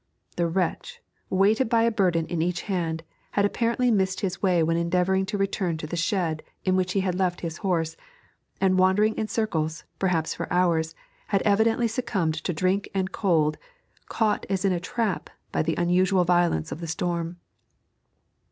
The wretch, weighted by a burden in each hand, had apparently missed his way when endeavouring to return to the shed in which he had left his horse, and wandering in circles, perhaps for hours, had evidently succumbed to drink and to cold, caught as in a trap by the unusual violence of the storm.